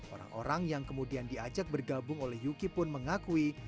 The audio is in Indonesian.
orang orang yang kemudian diajak bergabung oleh yuki pun mengakui